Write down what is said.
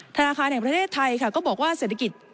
ธนาคารแห่งประเทศไทยค่ะก็บอกว่าเศรษฐกิจ